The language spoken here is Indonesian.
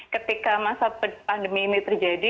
ketika masa pandemi ini terjadi